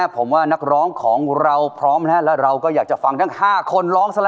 ผมว่านักร้องของเราพร้อมแล้วเราก็อยากจะฟังทั้ง๕คนร้องซะละ